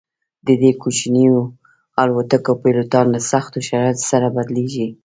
د دې کوچنیو الوتکو پیلوټان له سختو شرایطو سره بلدیږي